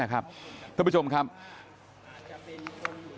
ท่านผู้ชมครับ